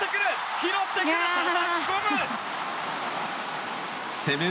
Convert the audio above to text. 拾ってくる！